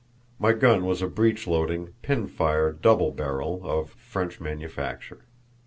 My gun was a breech loading, pin fire double barrel, of French manufacture.